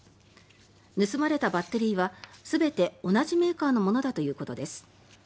盗まれたバッテリーは全て同じメーカーのものだということです。